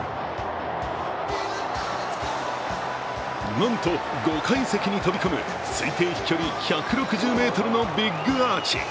なんと５階席に飛び込む推定飛距離１６０ｍのビッグアーチ。